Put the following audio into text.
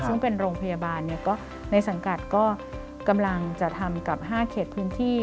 ซึ่งเป็นโรงพยาบาลในสังกัดก็กำลังจะทำกับ๕เขตพื้นที่